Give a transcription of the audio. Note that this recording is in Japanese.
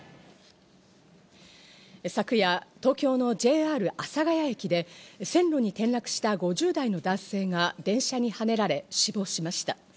昨夜、東京のＪＲ阿佐ケ谷駅で線路に転落した５０代の男性が電車にはねられ死亡しました。